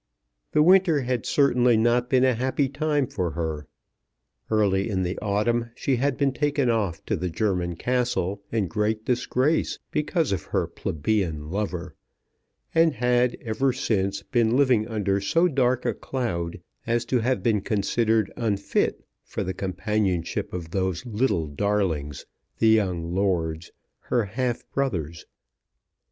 The winter had certainly not been a happy time for her. Early in the autumn she had been taken off to the German castle in great disgrace because of her plebeian lover, and had, ever since, been living under so dark a cloud, as to have been considered unfit for the companionship of those little darlings, the young lords, her half brothers.